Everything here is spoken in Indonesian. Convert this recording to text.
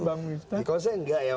bapak ibu saya enggak ya